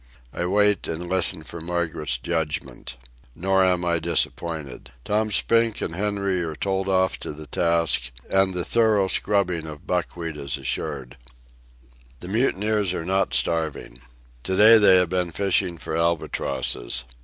I wait and listen for Margaret's judgment. Nor am I disappointed. Tom Spink and Henry are told off to the task, and the thorough scrubbing of Buckwheat is assured. The mutineers are not starving. To day they have been fishing for albatrosses.